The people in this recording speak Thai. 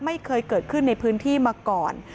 ไม่เคยเกิดขึ้นในพื้นที่มาก่อน